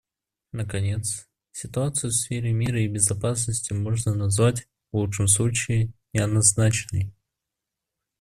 Наконец, ситуацию в сфере мира и безопасности можно назвать, в лучшем случае, неоднозначной.